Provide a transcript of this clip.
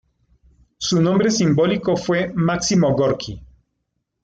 Su nombre simbólico fue Máximo Gorki.